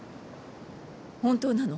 本当なの？